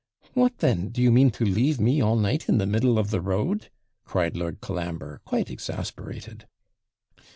'What, then, do you mean to leave me all night in the middle of the road?' cried Lord Colambre, quite exasperated.